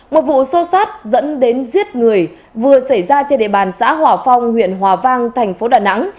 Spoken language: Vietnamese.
một vụ xô xát dẫn đến giết người vừa xảy ra trên địa bàn xã hòa phong huyện hòa vang thành phố đà nẵng